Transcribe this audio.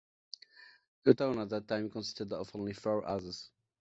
The town at that time consisted of only four houses.